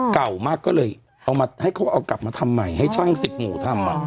เก่ามากก็เลยเอามาให้เขาเอากลับมาทำใหม่ให้ช่างสิบหมู่ทำ